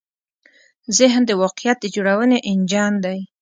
ذهن د واقعیت د جوړونې انجن دی.